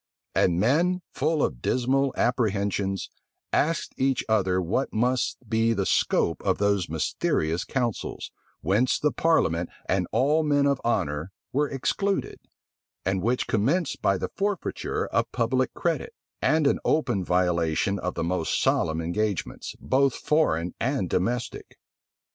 And men, full of dismal apprehensions, asked each other what must be the scope of those mysterious counsels, whence the parliament and all men of honor were excluded, and which commenced by the forfeiture of public credit, and an open violation of the most solemn engagements, both foreign and domestic.